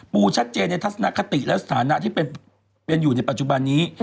ชัดเจนในทัศนคติและสถานะที่เป็นอยู่ในปัจจุบันนี้